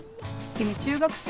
君中学生？